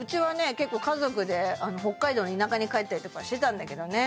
結構家族で北海道の田舎に帰ったりとかしてたんだけどね